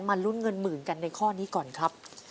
ลุ้นเงินหมื่นกันในข้อนี้ก่อนครับ